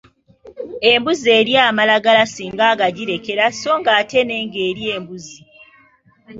Embuzi erya amalagala singa agagirekera sso ng'ate n'engo erya embuzi.